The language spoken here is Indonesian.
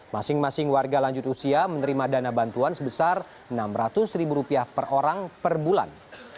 masing masing warga lanjut usia menerima dana bantuan sebesar rp enam ratus ribu rupiah per orang per bulan